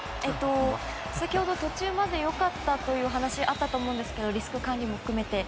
先ほど途中までよかったという話あったと思うんですけどリスク管理も含めて。